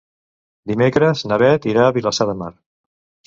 Dimecres na Beth irà a Vilassar de Mar.